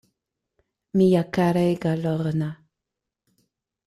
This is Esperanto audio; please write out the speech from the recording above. Mia karega Lorna.